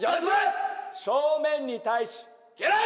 正面に対し敬礼！